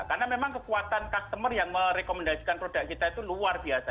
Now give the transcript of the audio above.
karena memang kekuatan customer yang merekomendasikan produk kita itu luar biasa